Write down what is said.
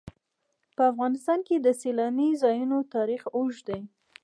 په افغانستان کې د سیلانی ځایونه تاریخ اوږد دی.